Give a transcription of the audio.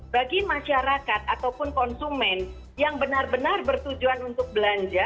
bagi masyarakat ataupun konsumen yang benar benar bertujuan untuk belanja